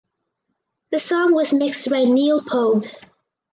The song was mixed by Neal Pogue.